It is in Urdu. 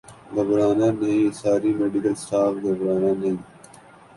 گھبرا نہ نہیں ساری میڈیکل سٹاف گھبرانہ نہیں